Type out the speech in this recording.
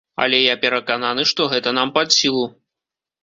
Але я перакананы, што гэта нам пад сілу.